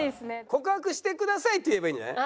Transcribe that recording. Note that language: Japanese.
「告白してください」って言えばいいんじゃない？